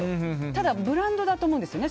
ただブランドだと思うんですよね